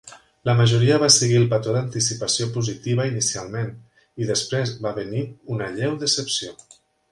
La majoria va seguir el patró d'anticipació positiva inicialment, i després va venir una lleu decepció.